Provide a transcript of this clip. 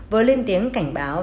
với lên tiếng cảnh báo